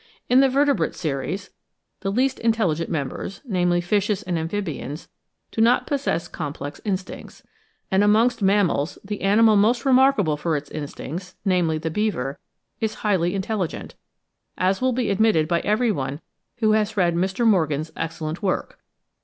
In the vertebrate series, the least intelligent members, namely fishes and amphibians, do not possess complex instincts; and amongst mammals the animal most remarkable for its instincts, namely the beaver, is highly intelligent, as will be admitted by every one who has read Mr. Morgan's excellent work.